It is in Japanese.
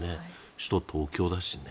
首都・東京だしね。